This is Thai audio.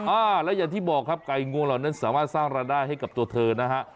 อ่าแล้วอย่างที่บอกครับไก่งวงเหล่านั้นสามารถสร้างรายได้ให้กับตัวเธอนะฮะ